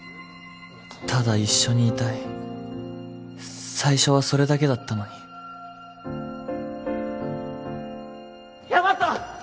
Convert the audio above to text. ただ一緒にいたい最初はそれだけだったのにヤマト！